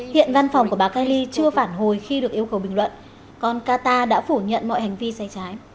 hiện văn phòng của bà cali chưa phản hồi khi được yêu cầu bình luận còn qatar đã phủ nhận mọi hành vi sai trái